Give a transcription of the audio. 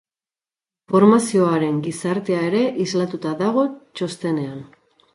Informazioaren gizartea ere islatuta dago txostenean.